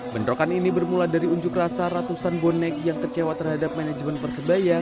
bentrokan ini bermula dari unjuk rasa ratusan bonek yang kecewa terhadap manajemen persebaya